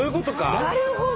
なるほど！